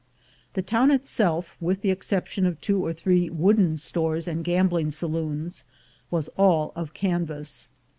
The town itself, with the exception of two or three wooden stores and gambling saloons, was all of can vas.